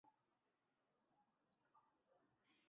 场的存在排除了真正的真空。